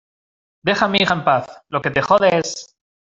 deja a mi hija en paz. lo que te jode es